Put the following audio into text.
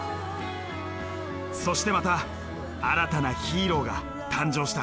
そしてまた新たなヒーローが誕生した。